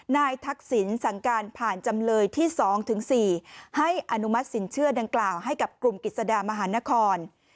ทักษิณสั่งการผ่านจำเลยที่๒ถึง๔ให้อนุมัติสินเชื่อดังกล่าวให้กับกลุ่มกิจสดามหานคร